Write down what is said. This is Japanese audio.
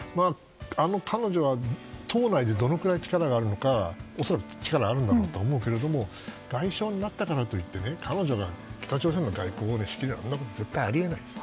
彼女は党内でどのくらい力があるのか恐らくあるんだろうと思うけども外相になったからといって彼女が北朝鮮の外交を仕切るなんてことは絶対あり得ないです。